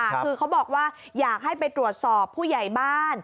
คือเขาบอกว่าอยากให้ไปตรวจสอบผู้ใหญ่บ้าน